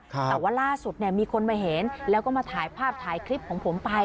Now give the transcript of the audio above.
แต่ว่าล่าสุดเนี่ยมีคนมาเห็นแล้วก็มาถ่ายภาพถ่ายคลิปของผมไป